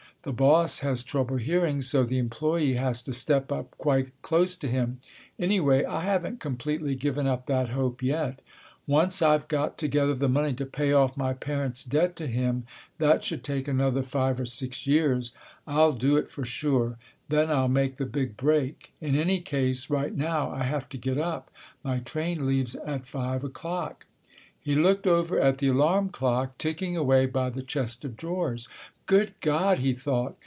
The boss has trouble hearing, so the employee has to step up quite close to him. Anyway, I haven't completely given up that hope yet. Once I've got together the money to pay off my parents' debt to him—that should take another five or six years—I'll do it for sure. Then I'll make the big break. In any case, right now I have to get up. My train leaves at five o'clock." He looked over at the alarm clock ticking away by the chest of drawers. "Good God!" he thought.